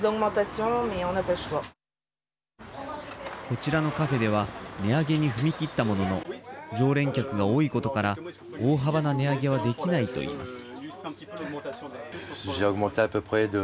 こちらのカフェでは値上げに踏み切ったものの常連客が多いことから大幅な値上げはできないといいます。